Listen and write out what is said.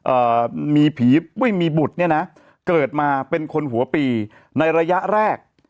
เอ่อมีผีปุ้ยมีบุตรเนี่ยนะเกิดมาเป็นคนหัวปีในระยะแรก